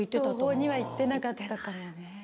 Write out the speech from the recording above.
桐朋には行ってなかったかもね。